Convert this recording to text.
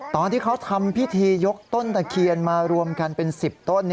ตอนที่เขาทำพิธียกต้นตะเคียนมารวมกันเป็น๑๐ต้น